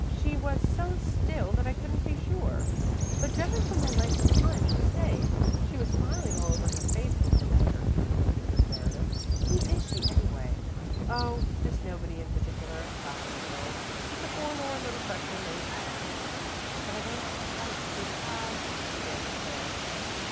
She was so still that I couldn't be sure, but judging from the length of time she stayed " "She was smiling all over her face when we met her," interrupted Miss Meredith. "Who is she, anyway?" "Oh, just nobody in particular," laughed Miss Mills, "just a forlorn little freshman named Adams." "But I don't quite see how " began Miss Hale.